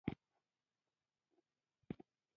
چې زه يې هم بې حده احترام لرم.